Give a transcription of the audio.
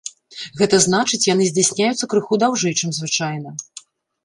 Гэта значыць, яны здзяйсняюцца крыху даўжэй, чым звычайна.